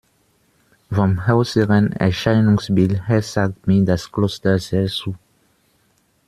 Vom äußeren Erscheinungsbild her sagt mir das Kloster sehr zu.